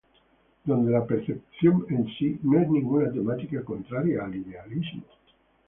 Donde la percepción en sí, no es ninguna temática contraria al idealismo.